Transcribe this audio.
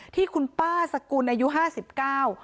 ที่คุณป้าสกุลอายุห้าสิบเก้า